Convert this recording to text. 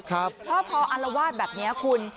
เพราะพออารวาสแบบนี้คุณ